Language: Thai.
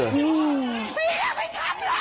พี่อย่าไปกำลังหนูพี่พอแล้ว